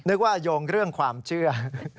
นึกว่าโยงเรื่องความเชื่อ